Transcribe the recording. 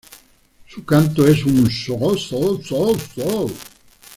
Su canto es un "ssooo-ssooo-ssooo".